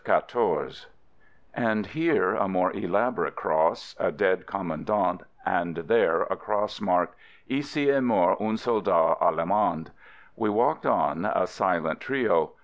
'* and here a more elaborate cross, a dead commandant, and there a cross marked, "Ici est mort un soldat allemand." We walked on, a silent trio.